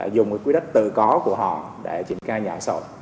dùng quy đắc tự có của họ để triển khai nhà ở xã hội